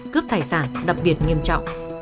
cướp tài sản đặc biệt nghiêm trọng